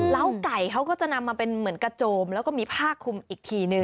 ไก่เขาก็จะนำมาเป็นเหมือนกระโจมแล้วก็มีผ้าคุมอีกทีนึง